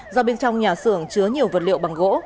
do bên trong nhà xưởng chứa nhiều vật liệu bằng gỗ